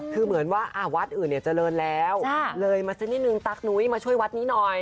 คือเหมือนว่าวัดอื่นเนี่ยเจริญแล้วเลยมาสักนิดนึงตั๊กนุ้ยมาช่วยวัดนี้หน่อย